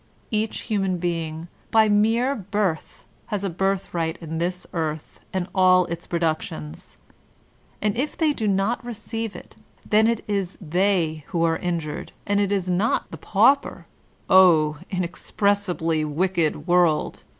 Each human being, by mere birth, has a birth right in this earth and all its productions; and if they Anaschism in Literatuke 147 do not receive it, then it is they who are injured ; and it is not the 'pauper' — oh! inexpressibly wicked world!